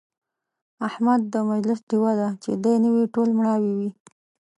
احمد د مجلس ډېوه دی، چې دی نه وي ټول مړاوي وي.